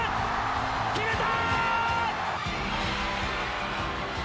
決めた！